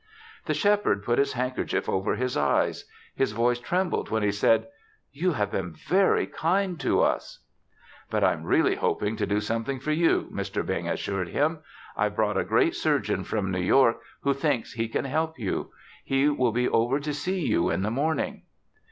The Shepherd put his handkerchief over his eyes. His voice trembled when he said: "You have been very kind to us." "But I'm really hoping to do something for you," Mr. Bing assured him. "I've brought a great surgeon from New York who thinks he can help you. He will be over to see you in the morning."